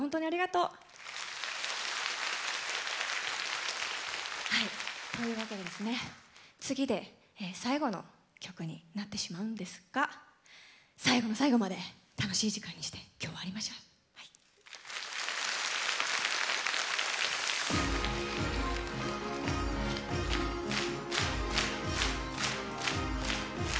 というわけでですね、次で最後の曲になってしまうんですが最後の最後まで楽しい時間にして今日を終わりましょう。